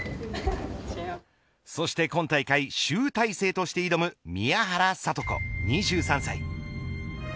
そして今大会集大成として挑む宮原知子２３歳。